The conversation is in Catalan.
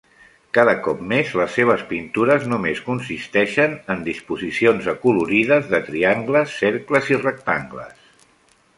Cada cop més, les seves pintures només consisteixen en disposicions acolorides de triangles, cercles i rectangles.